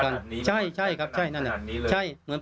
ก็เลยต้องรีบไปแจ้งให้ตรวจสอบคือตอนนี้ครอบครัวรู้สึกไม่ไกล